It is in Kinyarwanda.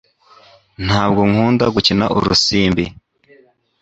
Ntabwo nkunda gukina urusimbi,